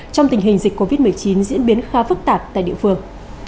trong tình hình dịch covid một mươi chín diễn biến khá phức tạp tại địa phương